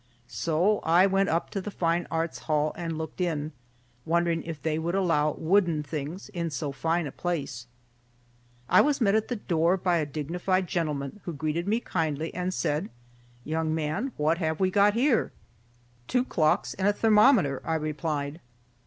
So I went up to the Fine Arts Hall and looked in, wondering if they would allow wooden things in so fine a place. I was met at the door by a dignified gentleman, who greeted me kindly and said, "Young man, what have we got here?" "Two clocks and a thermometer," I replied.